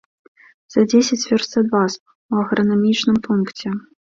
За дзесяць вёрст ад вас, у агранамічным пункце.